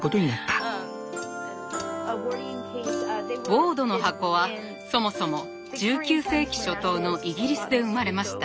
ウォードの箱はそもそも１９世紀初頭のイギリスで生まれました。